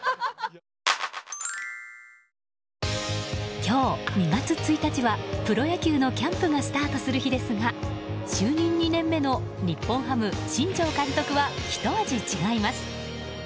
今日、２月１日はプロ野球のキャンプがスタートする日ですが就任２年目の日本ハム新庄監督はひと味違います。